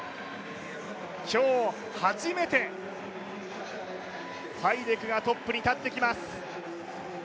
今日初めてファイデクがトップに立ってきます。